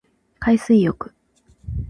海水浴